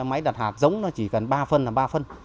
máy đặt hạt giống nó chỉ cần ba phân là ba phân